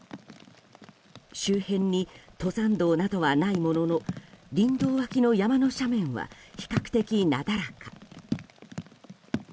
周辺に登山道などはないものの林道脇の山の斜面は比較的なだらか。